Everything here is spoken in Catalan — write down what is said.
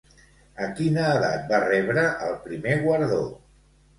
A quina edat va rebre el primer guardó?